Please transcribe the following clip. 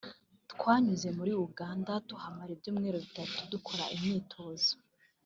twanyuze muri Uganda tuhamara ibyumweru bitatu dukora imyitozo